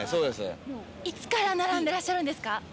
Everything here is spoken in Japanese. いつから並んでらっしゃるんですか？